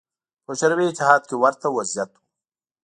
په شوروي اتحاد کې ورته وضعیت و